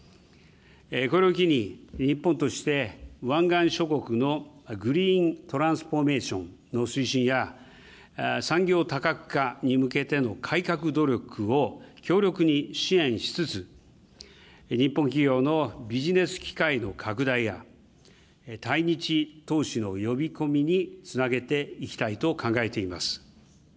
これを機に、日本として湾岸諸国のグリーン・トランスフォーメーションの推進や、産業多角化に向けての改革努力を強力に支援しつつ、日本企業のビジネス機会の拡大や、対日投資の呼び込みにつなげていきたいと考えています。